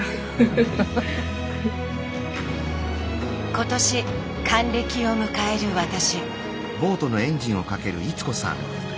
今年還暦を迎える私。